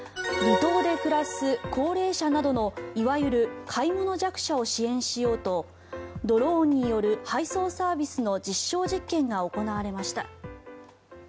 離島で暮らす高齢者などのいわゆる買い物弱者を支援しようとドローンによる配送サービスの実証実験が行われました。